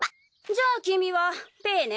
じゃあ君はペーね。